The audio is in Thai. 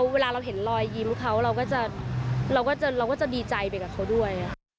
เวลาเราเห็นรอยยิ้มเขาเราก็จะดีใจไปกับเขาด้วย